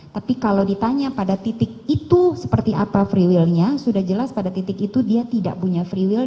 tapi kalau ditanya pada titik itu seperti apa free willnya sudah jelas pada titik itu dia tidak punya free will